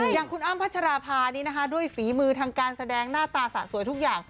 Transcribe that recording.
อย่างคุณอ้ำพัชราภานี้นะคะด้วยฝีมือทางการแสดงหน้าตาสะสวยทุกอย่าง